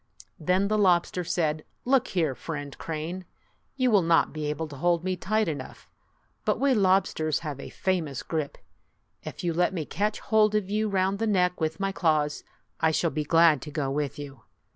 Then the lobster said, "Look here, Friend Crane, you will not be able to hold me tight enough; but we lobsters have a famous grip. If you let me catch hold of you round the neck with my claws, I shall be glad to go with you."